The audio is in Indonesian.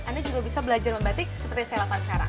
anda juga bisa belajar membatik seperti yang saya lakukan sekarang